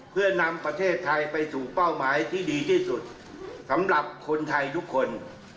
เพื่อนำประเทศไทยไปสู่เป้าหมายที่ดีที่สุดสำหรับคนไทยทุกคน